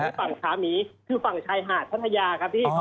โพงนี้เป็นทางฝั่งพระมีคือฝั่งชายหาดพัทยาครับที่